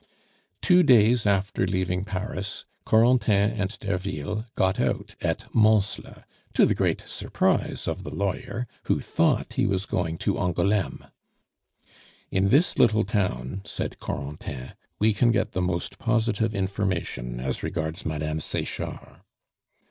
Two days after leaving Paris, Corentin and Derville got out at Mansle, to the great surprise of the lawyer, who thought he was going to Angouleme. "In this little town," said Corentin, "we can get the most positive information as regards Madame Sechard."